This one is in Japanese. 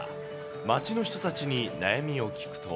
街の人たちに悩みを聞くと。